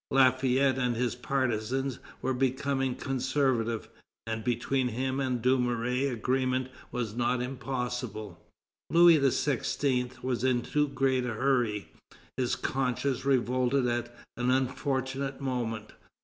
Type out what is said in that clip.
Lafayette and his partisans were becoming conservative, and between him and Dumouriez agreement was not impossible. Louis XVI. was in too great a hurry. His conscience revolted at an unfortunate moment.